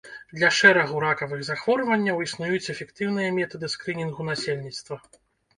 Для шэрагу ракавых захворванняў існуюць эфектыўныя метады скрынінгу насельніцтва.